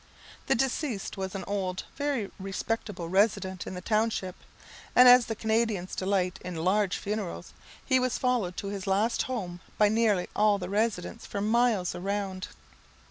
The deceased was an old and very respectable resident in the township; and as the Canadians delight in large funerals, he was followed to his last home by nearly all the residents for miles round.